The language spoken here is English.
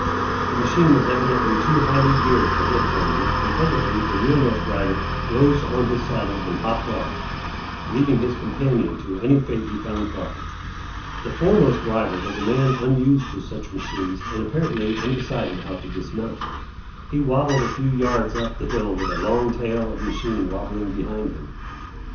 The machine was evidently too highly geared for hill climbing, and presently the rearmost rider rose on his saddle and hopped off, leaving his companion to any fate he found proper. The foremost rider was a man unused to such machines and apparently undecided how to dismount. He wabbled a few yards up the hill with a long tail of machine wabbling behind him.